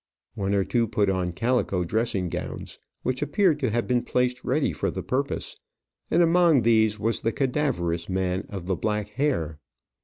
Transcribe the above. One or two put on calico dressing gowns, which appeared to have been placed ready for the purpose; and among these was the cadaverous man of the black hair.